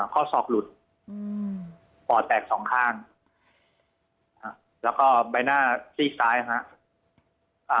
เค้าศอกหลุดอืมป่อแตกสองข้างใบหน้าซีกซ้ายนะฮะ